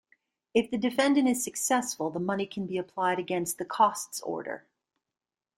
If the defendant is successful, the money can be applied against the costs order.